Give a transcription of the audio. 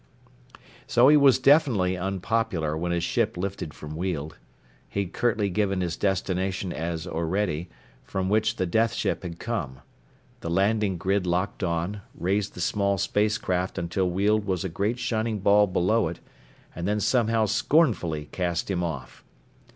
So he was definitely unpopular when his ship lifted from Weald. He'd curtly given his destination as Orede, from which the death ship had come. The landing grid locked on, raised the small spacecraft until Weald was a great shining ball below it, and then somehow scornfully cast him off.